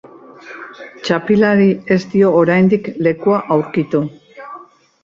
Txapelari ez dio, oraindik, lekua aurkitu.